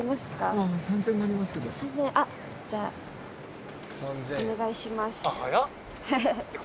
じゃあお願いします。